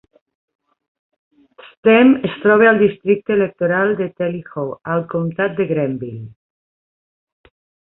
Stem es troba en el districte electoral de Tally Ho al comtat de Granville.